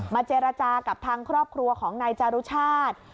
เจรจากับทางครอบครัวของนายจารุชาติ